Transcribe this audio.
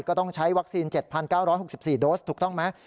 ก็ต้องใช้วัคซีน๗๙๖๔โดสถูกต้องไหม